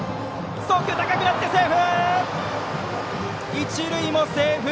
送球高くなって、セーフ！